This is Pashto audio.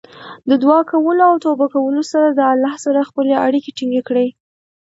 د دعا کولو او توبه کولو سره د الله سره خپلې اړیکې ټینګې کړئ.